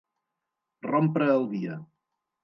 Rompre el dia.